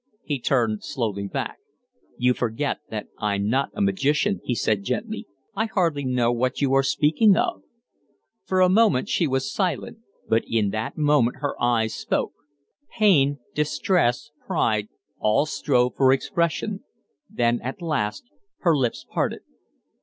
He turned slowly back. "You forget that I'm not a magician," he said, gently. "I hardly know what you are speaking of." For a moment she was silent, but in that moment her eyes spoke. Pain, distress, pride, all strove for expression; then at last her lips parted.